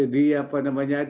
di apa namanya